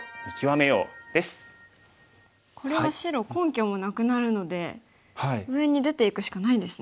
これは白根拠もなくなるので上に出ていくしかないですね。